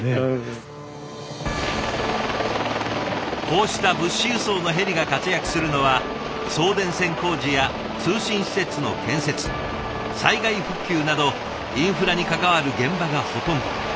こうした物資輸送のヘリが活躍するのは送電線工事や通信施設の建設災害復旧などインフラに関わる現場がほとんど。